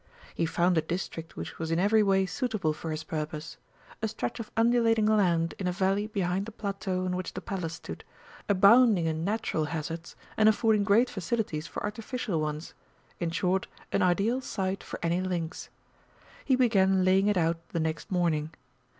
He found a district which was in every way suitable for his purpose a stretch of undulating land in a valley behind the plateau on which the Palace stood, abounding in natural hazards, and affording great facilities for artificial ones in short, an ideal site for any links. He began laying it out the next morning.